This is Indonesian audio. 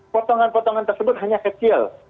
potongan potongan tersebut hanya kecil